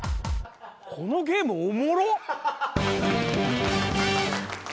このゲームおもろ！